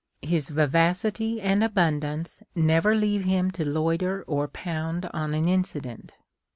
His vivacity and abundance never leave him to loiter or pound on an incident.